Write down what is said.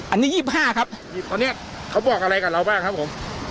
อันนี้ยี่สิบห้าครับตอนเนี้ยเขาบอกอะไรกับเราบ้างครับผม